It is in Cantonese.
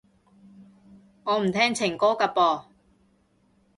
我唔聽情歌㗎噃